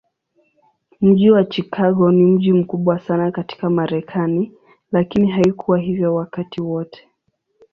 Mji wa Chicago ni mji mkubwa sana katika Marekani, lakini haikuwa hivyo wakati wote.